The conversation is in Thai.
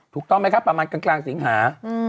ถูกต้องไหมครับประมาณกลางสิงหา